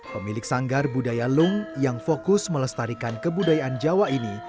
pemilik sanggar budaya lung yang fokus melestarikan kebudayaan jawa ini